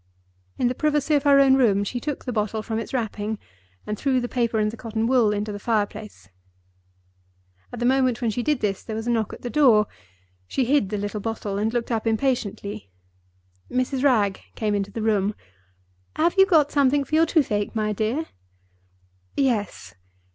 In the privacy of her own room, she took the bottle from its wrapping, and threw the paper and the cotton wool into the fire place. At the moment when she did this there was a knock at the door. She hid the little bottle, and looked up impatiently. Mrs. Wragge came into the room. "Have you got something for your toothache, my dear?" "Yes."